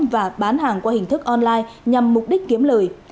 và bán hàng qua hình thức online nhằm mục đích kiếm lời